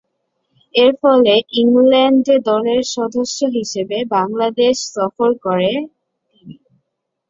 এরফলে England A দলের সদস্য হিসেবে বাংলাদেশ সফর করেন তিনি।